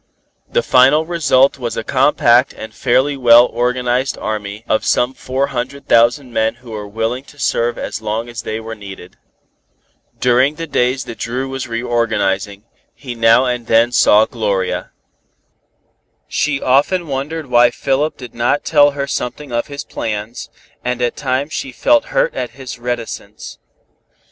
The final result was a compact and fairly well organized army of some four hundred thousand men who were willing to serve as long as they were needed. During the days that Dru was reorganizing, he now and then saw Gloria. She often wondered why Philip did not tell her something of his plans, and at times she felt hurt at his reticence.